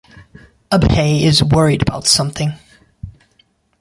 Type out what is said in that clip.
Abhay is worried about something.